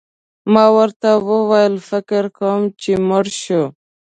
ما ورته وویل: فکر کوم چي مړ شو.